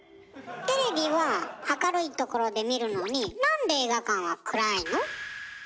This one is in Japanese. テレビは明るい所で見るのになんで映画館は暗いの？